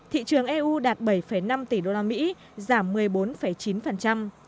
thị trường eu đạt bảy năm tỷ usd giảm một mươi bốn chín